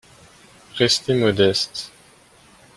Restez modeste